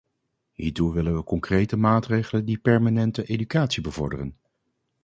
Hiertoe willen we concrete maatregelen die permanente educatie bevorderen.